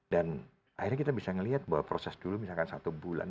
dan akhirnya kita bisa melihat bahwa proses dulu misalkan satu bulan